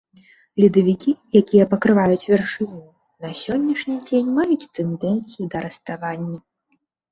Ледавікі, якія пакрываюць вяршыню, на сённяшні дзень маюць тэндэнцыю да раставання.